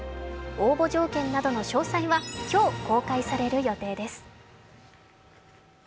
応募条件などの詳細は、今日公開される予定です。